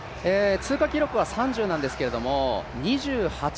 通過記録は３０なんですけれども、２８。